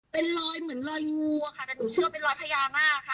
เป็นรอยเหมือนรอยงูอะค่ะแต่หนูเชื่อเป็นรอยพญานาคค่ะ